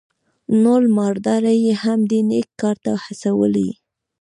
نور مالداره یې هم دې نېک کار ته هڅولي.